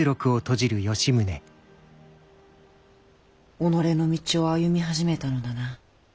己の道を歩み始めたのだな。